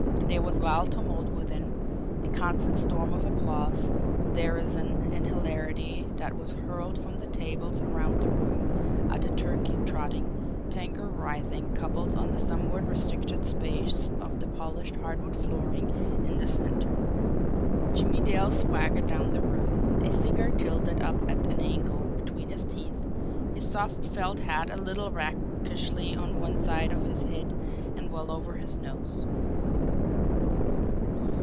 There was wild tumult within a constant storm of applause, derision, and hilarity that was hurled from the tables around the room at the turkey trotting, tango writhing couples on the somewhat restricted space of polished hardwood flooring in the centre. Jimmie Dale swaggered down the room, a cigar tilted up at an angle between his teeth, his soft felt hat a little rakishly on one side of his head and well over his nose.